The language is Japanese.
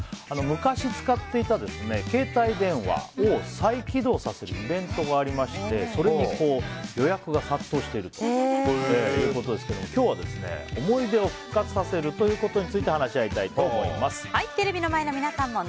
昔使っていた携帯電話を再起動させるイベントがありましてそれに予約が殺到しているということですが今日は思い出を復活させるということについてテレビの前の皆さんもＮＯＮＳＴＯＰ！